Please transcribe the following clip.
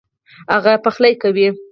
هغه پخلی کوي